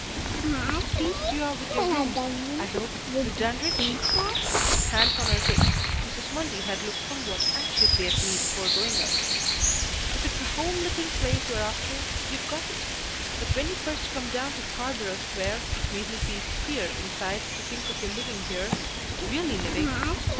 "It's pleased you are with your rooms, I hope, Miss Dandridge?" Hands on her hips, Mrs. Mundy had looked somewhat anxiously at me before going out. "If it's a home looking place you're after, you've got it, but when you first come down to Scarborough Square it made me feel queer inside to think of your living here, really living.